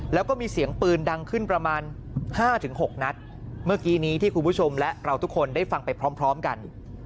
แล้วก็มีเสียงปืนดังขึ้นประมาณ๕๖นัดเมื่อกี้นี้ที่คุณผู้ชมและเราทุกคนได้ฟังไปพร้อมกัน